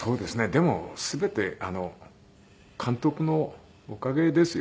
でも全て監督のおかげですよ。